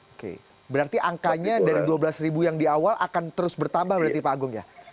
oke berarti angkanya dari dua belas ribu yang di awal akan terus bertambah berarti pak agung ya